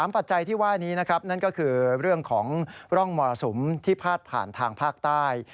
ปัจจัยที่ว่านี้นะครับนั่นก็คือเรื่องของร่องมรสุมที่พาดผ่านทางภาคใต้